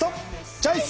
チョイス！